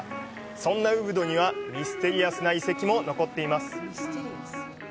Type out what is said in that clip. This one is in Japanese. そんなウブドにはミステリアスな遺跡も残っています。